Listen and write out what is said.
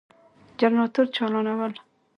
جنراتور چالانول ،